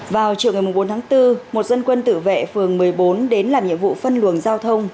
vào chiều ngày bốn tháng bốn một dân quân tự vệ phường một mươi bốn đến làm nhiệm vụ phân luồng giao thông